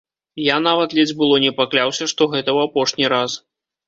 Я нават ледзь было не пакляўся, што гэта ў апошні раз.